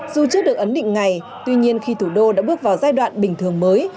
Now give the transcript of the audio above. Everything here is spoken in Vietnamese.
dù chưa được ấn định ngày tuy nhiên khi thủ đô đã bước vào giai đoạn bình thường mới